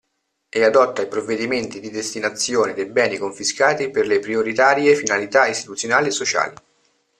E adotta i provvedimenti di destinazione dei beni confiscati per le prioritarie finalità istituzionali e sociali.